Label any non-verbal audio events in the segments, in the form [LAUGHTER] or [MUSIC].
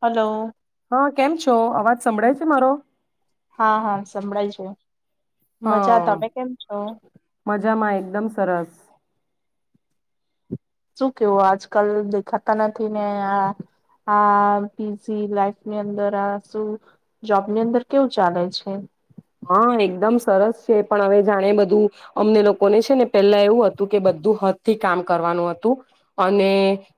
Hello. હા કેમ છો અવાજ સંભળાય છે મારો? હા હા સંભળાય છે. મજા હા તમે કેમ છો મજામાં એકદમ સરસ. શું કેવું આજકાલ દેખાતા નથી ને, આ આ બીઝી લાઈફની અંદર આ શું જોબની અંદર કેવું ચાલે છે? હા એકદમ સરસ છે. પણ હવે જાણે બધું અમને લોકોને છે. ને પેલા એવું હતું કે બધું હાથ થી કામ કરવાનું હતું. અને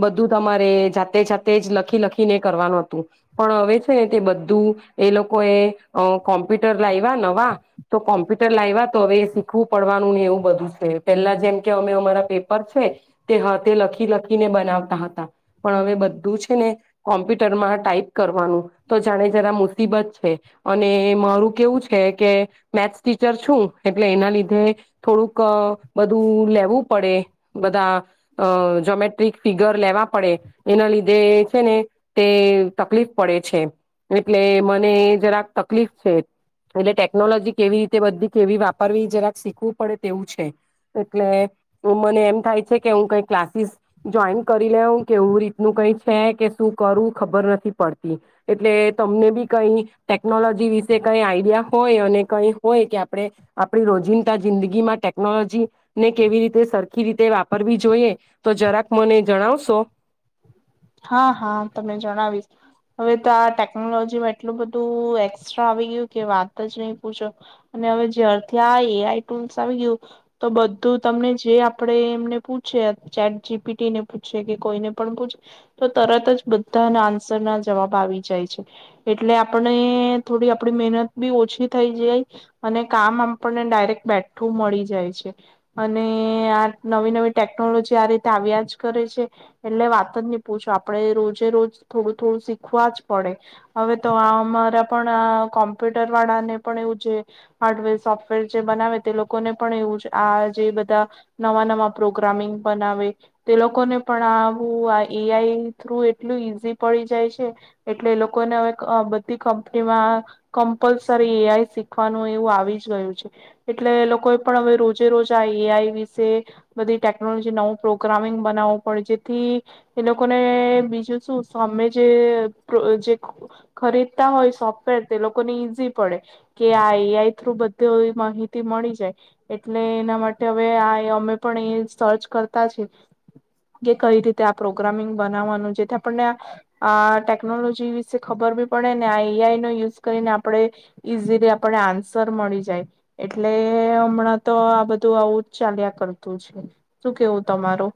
બધું તમારે જાતે જાતે જ લખી લખીને કરવાનું હતું પણ હવે છે ને તે બધું એ લોકોએ અ કોમ્પ્યુટર લાઈવા નવા તો કોમ્પ્યુટર લાયવા તો હવે શીખવું પડવાનું ને એવું બધું છે. પેલા જેમ કે અમે અમારા પેપર છે તે હાતે લખી લખીને બનાવતા હતા પણ હવે બધું છે ને કોમ્પ્યુટરમાં ટાઈપ કરવાનું તો જાણે જરા મુસીબત છે અને મારું કેવું છે કે મેથ્સ ટીચર છું, એટલે એના લીધે થોડુંક બધું લેવું પડે બધા અ જોમેટ્રિક ફિગર લેવા પડે એના લીધે છે ને તે તકલીફ પડે છે. એટલે મને જરાક તકલીફ છે. એટલે ટેકનોલોજી કેવી રીતે બધી કેવી વાપરવી જરાક શીખવું પડે તેવું છે. એટલે મને એમ થાય છે કે હું કઈ ક્લાસીસ જોઈન કરી લેઉ કેવું રીતનું કઈ છે કે શું કરું ખબર નથી પડતી એટલે તમને બી કઈ ટેકનોલોજી વિશે કઈ આઈડિયા હોય અને કઈ હોય કે આપણે આપણી રોજિંદા જિંદગીમાં ટેકનોલોજી ને કેવી રીતે સરખી રીતે વાપરવી જોઈએ તો જરાક મને જણાવશો. હા હા, તમે જણાવીશ, હવે તો આ ટેકનોલોજીમાં એટલું બધું એક્સ્ટ્રા આવી ગયું કે વાત જ નહી પૂછો અને હવે જ્યારથી આ એ આઈ ટુલ્સ આવી ગયું તો બધું તમને જે આપણેે એમને પૂછે ચેટ જી પી ટી ને પૂછે કે કોઈને પણ પૂછે તો તરત જ બધાના આન્સર ના જવાબ આવી જાય છે, એટલે આપણે થોડી આપડી મહેનત બી ઓછી થઈ જાય, અને કામ આપણને ડાયરેક્ટ બેઠું મળી જાય છે, અને આ નવી નવી ટેકનોલોજી આ રીતે આવ્યા જ કરે છે એટલે વાત જે ની પૂછો આપણે રોજે રોજ થોડું થોડું શીખવા જ પડે, હવે તો આ અમારા પણ કોમ્પ્યુટર વાળાને પણ એવું છે હાર્ડવેર સોફ્ટવેર જે બનાવે તે લોકોને પણ એવું જ આ જે બધા નવા નવા પ્રોગ્રામિંગ બનાવે તે લોકોને પણ આવું એ આઈ થ્રુ એટલું ઈઝી પડી જાય છે, એટલે એ લોકોને હવે બધી કંપનીમાં કમ્પલસરી એ આઈ શીખવાનું એવું આવી ગયું છે, એટલે એ લોકોએ પણ હવે રોજે રોજ આ એ આઈ વિશે બધી ટેકનોલોજી નવું પ્રોગ્રામિંગ બનાવવું પડે જેથી એ લોકોને બીજું શું સામે જે ખરીદતા હોય સોફ્ટવેર તે લોકોને ઈઝી પડે કે આ એ આઈ થ્રુ બધીવી માહિતી મળી જાય. એટલે એના માટે હવે આ અમે પણ એ સર્ચ કરતા છે. કે કઈ રી આ પ્રોગ્રામિંગ બનાવવાનું જેથી આપણને આ ટેકનોલોજી વિશે ખબર બી પડે, ને આ એઆઈ નો યુઝ કરીને આપણે ઈઝીલી આપણે આન્સર મળી જાય. એટલે હમણાં તો આ બધું આવું જ ચાલ્યા કરતું છે શું કેવું તમારું?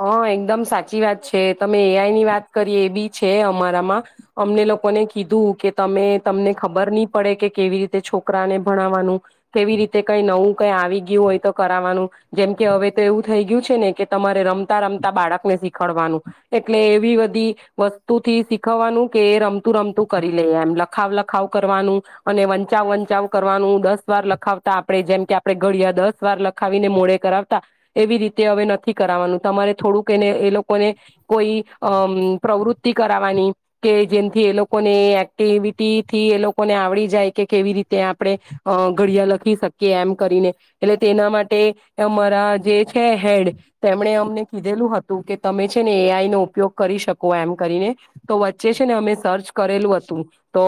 હા એકદમ સાચી વાત છે, તમે એઆઈની વાત કરી એ બી છે અમારામાં, અમને લોકોને કીધું કે તમે તમને ખબર નહી પડે કે કેવી રીતે છોકરાને ભણાવવાનું કેવી રીતે કઈ નવું કઈ આવી ગયું, હોય તો કરાવવાનું જેમ કે હવે તો એવું થઈ ગયું છે ને કે તમારે રમ રમતા રમતા બાળકને શીખડવાનું, એટલે એવી બધી વસ્તુથી શીખવવાનું કે એ રમતું રમતું કરી લે, એમ લખાવ લખાવ કરવાનું, અને વંચાવ વંચાવ કરવાનું, દસ વાર લખાવતા આપણે જેમ કે આપણે ઘડિયા દસ વાર લખાવીને મોઢે કરાવતા એવી રીતે હવે નથી કરવાનું. તમારે થોડુંક એને એ લોકોને કોઈ અ પ્રવૃતિ કરાવવાની કે જેમથી એ લોકોને એક્ટિવિટી થી એ લોકોને આવડી જાય કે કેવી રીતે આપણે અ ઘડિયા લખી શકીએ, એમ કરીને એટલે તેના માટે અમારા જે છે હેડ તેમણે અમ ને કીધેલું હતું, કે તમે છે ને એ આઈ નો ઉપયોગ કરી શકો, એમ કરીને તો વચ્ચે છે ને અમે સર્ચ કરેલું હતું તો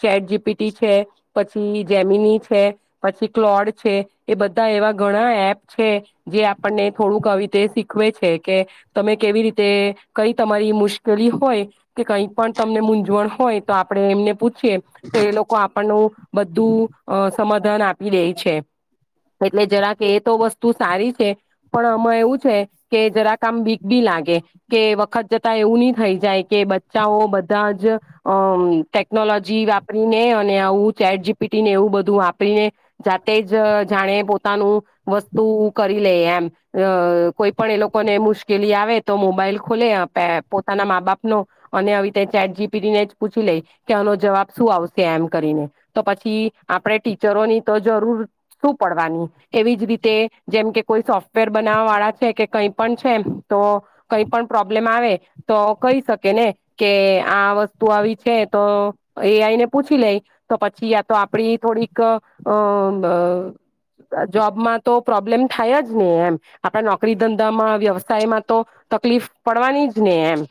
ચેટ જીપીટી છે, પછી જેમીની છે, પછી ક્લોડ છે એ બધા એવા ઘણા એપ છે જે આપણને થોડુંક આવી રીતે સી ખવે છે કે તમે કેવી રીતે કઈ તમારી મુશ્કેલી હોય, કે કઈ પણ તમને મૂઝવણ હોય તો આપડણે એમને પૂછ છે તો એ લોકો આપણનું બધું અ સમાધાન આપી દે છે, એટલે જરા કે એ તો વસ્તુ સારી છે, પણ આમાં એવું છે. કે જરા કામ બીક બી લાગે કે વખત જતા એવું નહી થઈ જાય, કે બચ્ચાઓ બધા જ અ ટેકનોલોજી વાપરીને અને આવું ચેટ જી પી ટીને એવું બધું વાપરીને જાતે જ જાણે પોતાનું વસ્તુ કરી લે એમ કોઈ પણ એ લોકોને મુશ્કેલી આવે તો, મોબાઈલ ખોલે પોતાના મા બાપનો અને આવી ચેટ જી પીને જ પૂછી લઈ કે આનો જવાબ શું આવશે, એમ કરીને તો પછી આપણે ટીચરોની તો જરૂર શું પડવાની એવી જ રીતે જેમ કે કોઈ સોફ્ટવેર બનાવવા વાળા છે કે કઈ પણ છે, તો કઈ પણ પ્રોબ્લેમ આવે તો કહી શકે ને કે આ વસ્તુ આવી છે તો એ આઈને પૂછી લેઈ તો પછી યા તો આપડી થોડીક અ જોબમાં તો પ્રોબ્લેમ થાય જ ને એમ આપણે નોકરી ધંધામાં વ્યવસાયમાં તો તકલીફ પડવાની જ ને એમ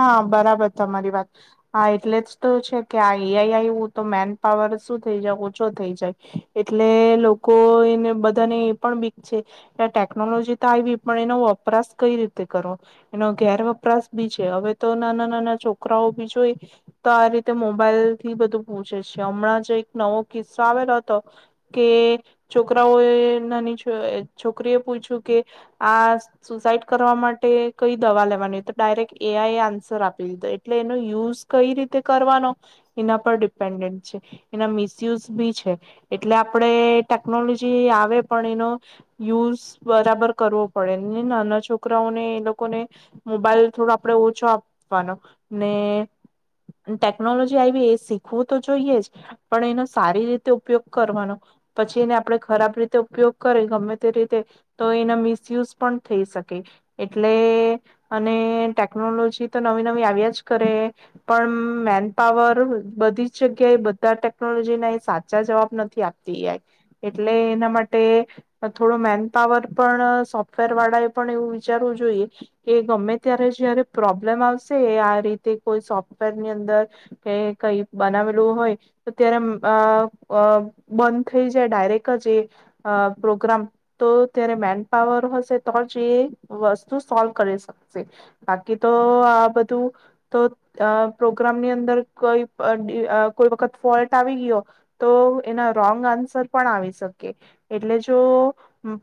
હા બરાબર તમારી વાત હા એટલે જ તો છે, કે આ એઆઈ આવું તો મેન પાવર શું થઈ જાય ઓછો થઈ જાય એટલે લોકો એને બધાને એ પણ બીક છે, કે ટેકનોલોજી તો આવી પણ એનો વપરાશ કઈ રીતે કરવો એનો ગેરવપરાશ બી છે. હવે તો નાના નાના છોકરાઓ બી જોઈ તો આ રીતે મોબાઈલ થી બધું પૂછે છે, હમણાં જ એક નવો કિસ્સો આવેલો હતો કે છોકરાઓ નાની છોકરી એ પૂછ્યું કે આ સુસાઈડ કરવા માટે કઈ દવા લેવાની તો ડાયરેક્ટ એ આઈ એ આન્સર આપી દીધો, એટલે એનો યુઝ કઈ રીતે કરવાનો એના પર ડિપેન્ડન્ટ છે, એના મિસયુઝ બી છે એટલે આપણેે ટેકનોલોજી આવે પણ એનો યુઝ બરાબર કરવો પડે, નાના છોકરાઓને એ લોકોને મોબાઈલ થોડો આપ ઓછો આપવાનો, ને ટેકનોલોજી આવી એ શીખવું તો જોઈએ, જ પણ એનો સારી રીતે ઉપયોગ કરવાનો પછી એને આપણે ખરાબ રીતે ઉપયોગ કરીએ ગમે તે રીતે તો એના મિસયુઝ પણ થઈ શકે એટલે અને ટેક ટેકનોલોજી તો નવી નવી આવ્યા જ કરે, પણ મેન પાવર બધી જ જગ્યાએ બધા ટેકનોલોજીના એ સાચા જવાબ નથી આપતા. એટલે એના માટે ટે થોડો મેન પાવર પણ સોફ્ટવેર વાળા એ પણ એવું વિચારવું જોઈએ, કે ગમે ત્યારે જયારે પ્રોબ્લેમ આવશે આ રીતે કોઈ સોફ્ટવેર ની અંદર કે કઈ બનાવેલું હોય, તો ત્યારે બંધ થઈ જાય ડાયરેક જ એ પ્રોગ્રામ તો ત્યારે મેન પાવર હશે તો જ એ વસ્તુ સોલ્વ કરી શકશે, બા તો આ બધું તો પ્રોગ્રામની અંદર કોઈ કોઈ વખત ફોલ્ટ આવી ગયો તો એના રોંગ આન્સર પણ આવી શકે, એટલે જો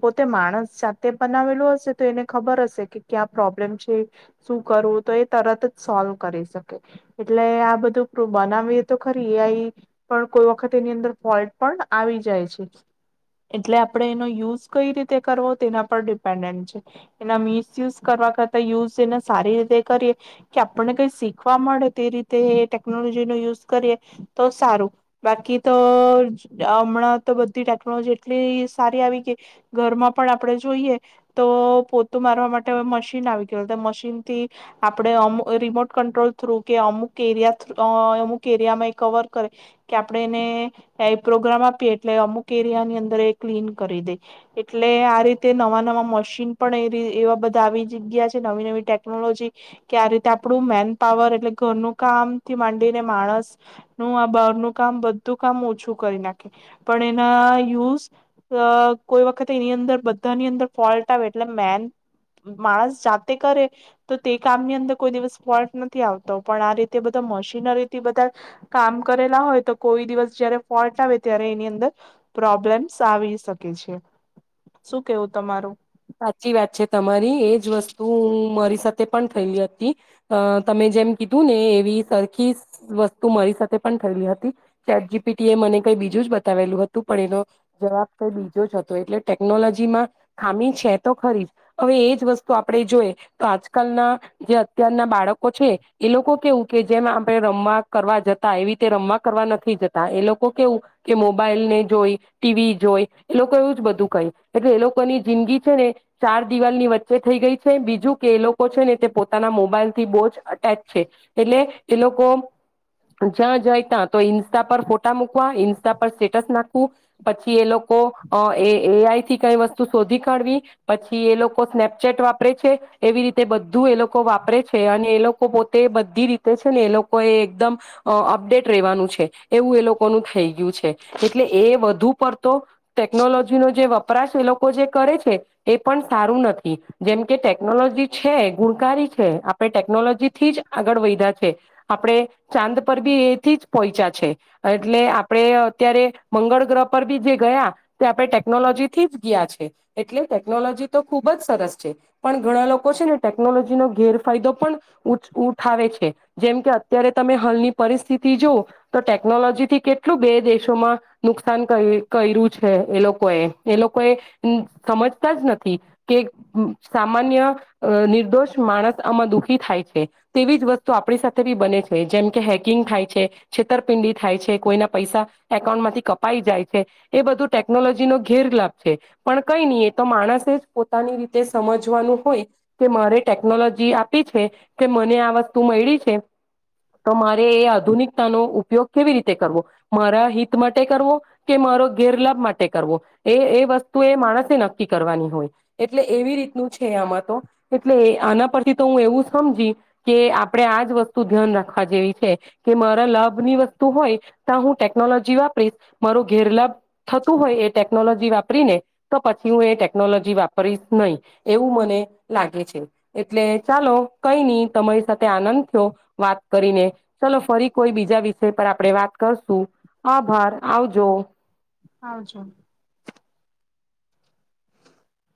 પોતે માણસ જાતે બનાવેલો હશે તો એને ખબર હશે કે ક્યા પ્રોબ્લેમ છે. શું કરવું તો એ તરત જ સોલ્વ કરી શકે, એટલે આ બધું બનાવીએ તો ખરી એઆઈ પણ કોઈ વખત એની અંદર ફોલ્ટ પણ આવી જાય છે, એટલે આપણે એનો યુઝ કઈ રીતે કરવો તેના પર ડિપેન્ડન્ટ છે, એના મિસયુઝ કરવા કરતા યુઝ એ સારી રીતે કરીએ, કે આપણને કઈ શીખવા મળે તે રીતે ટેકનોલોજી નો યુઝ કરીએ તો સારું બાકી તો હમણાં તો બધી ટેકનોલોજી એટલી સારી આવી ગઈ ઘરમાં પણ આપણે જોઈએ તો પોતું મારવા માટે મશીન આવી ગયું મશીન આપડે રિમોટ કટ્રોલ થ્રુ કે અમુક એરિયા અમુક એરિયામાં એ કવર કરે કે આપણે એને પ્રોગ્રામ આપીએ એટલે અમુક એરિયાની અંદર એ ક્લીન કરી દે એટલે આ રીતે નવા નવા મશીન પણ એવા બધા આવી જ ગ્યાં છે નવી નવીટેક ટેનોલોજી કે આ રીતે આપણું મેન પાવર એટલે ઘરનું કામથી માંડીને માણસનું આ બારનું કામ બધું કામ ઓછું કરી નાખે, પણ એના યુઝ કોઈ વખત એની અંદર બધાની અંદર ફોલ્ટ આવે એટલે મેન માણસ જાતે કરે. તો તે કામની અંદર કોઈ દિવસ ફોલ્ટ નથી આવતો, પણ આ રીતે બધા મશીનરીથી બધા કામ કરેલા હોય તો કોઈ દિવસ જયારે ફોલ્ટ આવે ત્યારે એની અંદર પ્રોબ્લેમ્સ આવી શકે છે, શું કેવું તમારું? સાચી વાત છે તમારી, એજ વસ્તુ મારી સાથે પણ થયેલી હતી, અ તમે જેમ કીધું ને એવી સરખી વસ્તુ મારી સાથે પણ થયેલી હતી, ચેટ જી પી ટી એ મને કઈ બીજું જ બતાવેલું હતું પણ એનો જવાબ કઈ બીજો જ હતો એટલે ટેકનોલોજીમાં ખામી છે. તો ખરી જ હવે એજ વસ્તુ આપણે જોઈએ તો આજકાલના જે અત્યારના બાળકો છે એ લોકો કેવું કે જેમ આપણે રમવા કરવા જતા એવી રીતે રમવા કરવા નથી જતા, એ લોકો કેવું કે મોબાઈલને જોઈ ટીવી જોઈ એ લોકો એવું જ બધું કહી એટલે એ લોકોની જિંદગી ને ચાર દિવાલ ની વચ્ચે થઈ ગઈ છે બીજું કે એ લોકો છે ને તે પોતાના મોબાઈલ થી બહ જ અટેચ છે એટલે એ લોકો જ્યાં જાય ત્યા. તો ઈન્સ્ટા પર ફોટા મૂકવા ઈન્સ્ટા પર સ્ટેટસ નાખવું પછી એ લોકો અ એ એઆઈ થી કઈ વસ્તુ શોધી કાઢવી. પછી એ લોકો સ્નેપચેટ વાપરે છે એવી રીતે બધું એ લોકો વાપરે છે અને એ લોકો પોતે બધી રીતે છે ને એ લોકો એ એકદમ અપડેટ રેવાનું છે એવું એ લોકોનું થઈ ગયું છે એટલે એ વધુ પડતો ટેકનોલોજીનો જે વપરાશ એ લોકો જે કરે છે એ પણ સારું નથી જેમ કે ટેકનોલોજી છે ગુણકારી છે આપણે ટેકનોલોજીથી જ આગળ વયધા છે આપણે ચાંદ પર બી એથી જ પહોંચ્યા છે એટલે આપણે અત્યારે મંગળ ગ્રહ પર બી જે ગયા તે આપણે ટેકનોલોજીથી જ ગયા છે એટલે ટેકનોલોજી તો ખુબ જ સરસ છે પણ ઘણા લોકો છે ને ટેકનોલોજીનો ગેરફાયદો પણ ઉ ઉઠાવે છે જેમ કે અત્યારે તમે હાલની પરિસ્થિતિ જો તો ટેકનોલોજી થી કેટલું બે દેશોમાં નુકસાન કર કર્યું છે એ લોકોએ એ લોકોએ સમજ [UNINTELLIGIBLE] નથી કે સામાન્ય અ નિર્દોષ માણસ આમાં દુઃખી થાય છે તેવી જ વસ્તુ આપણી સાથે બી બને છે જેમ કે હેકિંગ થાય છે છેતરપિંડી થાય છે કોઈના પૈસા એકાઉન્ટ માંથી કપાઈ જાય છે એ બધું ટેકનોલોજી નો ઘેરલાાભ છે. પણ કઈ નહી. તો માણસે જ પોતાની રીતે સમજવાનું હોય કે મારે ટેકનોલોજી આપી છે કે મને આ વસ્તુ મળી છે તો મારે એ આધુનિકતાનો ઉપયોગ કેવી રીતે કરવો મારા હિત માટે કરવો કે મારો ગેરલાભ માટે કરવો એ એ વસ્તુ એ માણસે ન કરવાની હોય એટલે એવી રીતનું છે આમાં તો એટલે આના પરથી તો હું એવું સમજી કે આપડે આજ વસ્તુ ધ્યાન રાખવા જેવી છે કે મારા લાભ ની વસ્તુ હોય તો હું ટેકનોલોજી વાપરીશ મારો ઘેરલાભ થતું હોય એ ટેકનોલોજી વાપરીને તો હું એ ટેકનોલોજી વાપરીશ નહી એવું મને લાગે છે એટલે ચાલો કઈ નહી તમારી સાથે આનંદ થયો વાત કરીને ચલો ફરી કોઈ બીજા વિષય પર આપણે વાત કરશું આભાર આવજો. હાજો